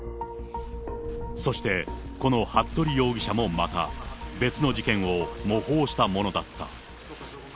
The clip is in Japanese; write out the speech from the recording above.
そして、この服部容疑者もまた、別の事件を模倣したものだった。